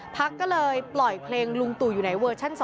พักก็เลยปล่อยเพลงลุงตู่อยู่ไหนเวอร์ชั่น๒